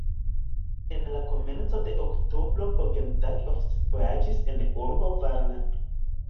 En la komenco de oktobro Bogdan oficvojaĝis en urbon Varna.